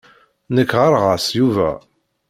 Nekk ɣɣareɣ-as Yuba.